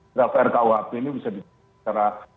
draft rkuhp ini bisa dibuka secara